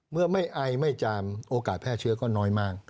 เมื่อไม่ไอไม่จามโอกาสแพร่เชื้อก็น้อยมาก